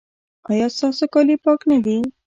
ایا ستاسو کالي پاک نه دي؟